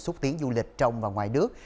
xúc tiến du lịch trong và ngoài nước